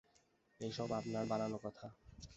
এসব আপনার বানানো কথা।